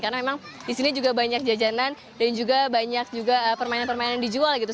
karena memang di sini juga banyak jajanan dan juga banyak juga permainan permainan dijual gitu